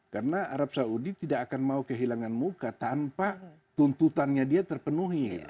karena arab saudi tidak akan mau kehilangan muka tanpa tuntutannya dia terpenuhi